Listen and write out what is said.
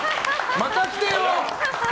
また来てよ！